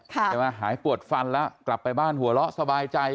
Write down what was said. ใช่ไหมหายปวดฟันแล้วกลับไปบ้านหัวเราะสบายใจ